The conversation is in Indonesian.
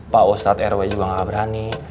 pak ustadz rw juga gak berani